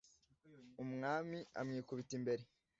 umwami amwikubita imbere